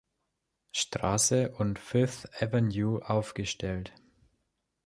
Straße und Fifth Avenue aufgestellt.